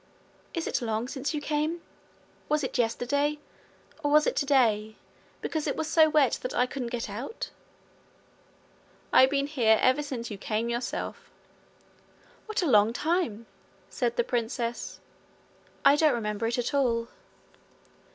'Is it long since you came? Was it yesterday? Or was it today, because it was so wet that I couldn't get out?' 'I've been here ever since you came yourself.' 'What a long time!' said the princess. 'I don't remember it at all.'